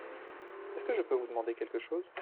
Est-ce que je veux vous demander quelque chose ?